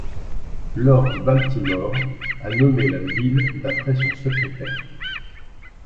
Lord Baltimore a nommé la ville d’après son secrétaire.